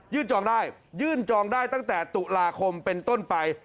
จองได้ยื่นจองได้ตั้งแต่ตุลาคมเป็นต้นไป